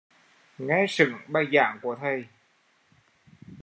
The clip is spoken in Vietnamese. Nghe sững bài giảng của Thầy